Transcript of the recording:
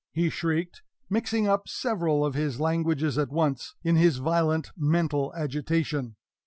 he shrieked, mixing up several of his languages at once, in his violent mental agitation.